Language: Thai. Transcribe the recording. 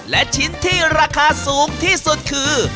และชิ้นที่ราคาสูงที่สุดคือ